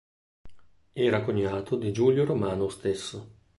Era cognato di Giulio Romano stesso.